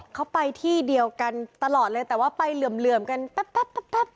เขาไปที่เดียวกันตลอดเลยแต่ว่าไปเหลื่อมกันแป๊บ